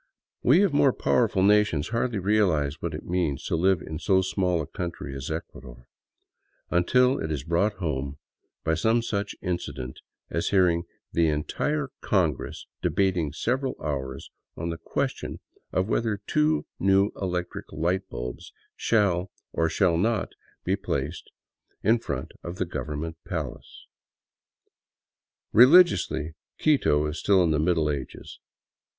We of more powerful nations hardly realize what it means to live in so small a country as Ecuador, until it is brought home by some such incident as hearing the entire Congress debating several hours on the questibn of whether two new electric light bulbs shall or shall not be placed in front of the government " palace." Religiously, Quito is still in the Middle Ages.